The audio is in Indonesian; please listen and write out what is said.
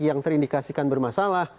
yang terindikasikan bermasalah